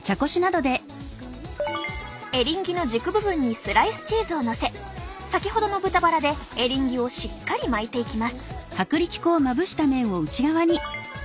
エリンギの軸部分にスライスチーズをのせ先ほどの豚バラでエリンギをしっかり巻いていきます。